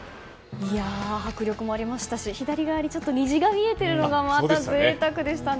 迫力もありましたしちょっと虹が見えているのがまた贅沢でしたね。